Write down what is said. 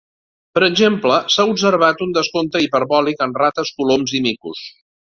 Per exemple, s'ha observat un descompte hiperbòlic en rates, coloms i micos.